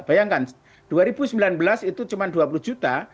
bayangkan dua ribu sembilan belas itu cuma dua puluh juta